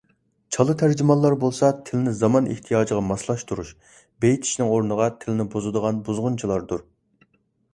«چالا تەرجىمان»لار بولسا تىلىنى زامان ئىھتىياجىغا ماسلاشتۇرۇش، بېيتىشنىڭ ئورنىغا تىلىنى بۇزىدىغان بۇزغۇنچىلاردۇر.